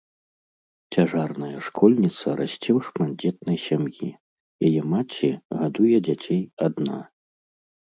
Цяжарная школьніца расце ў шматдзетнай сям'і, яе маці гадуе дзяцей адна.